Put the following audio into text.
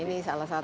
nah ini salah satu